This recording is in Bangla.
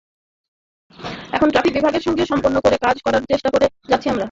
এখন ট্রাফিক বিভাগের সঙ্গে সমন্বয় করে কাজ করার চেষ্টা করে যাচ্ছি আমরা।